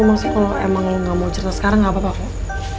maksudnya kalo emang lu gak mau cerita sekarang gak apa apa kok